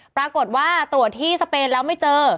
ปรากฏว่าตรวจที่สเปนแล้วไม่เจอ